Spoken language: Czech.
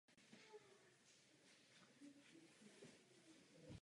V současné době je však kriticky ohrožený a v mnoha těchto oblastech již vyhuben.